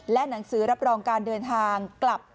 และหนังสือรับรองการเดินทางกลับ